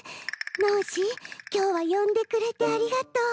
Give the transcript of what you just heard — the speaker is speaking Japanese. ノージーきょうはよんでくれてありがとう。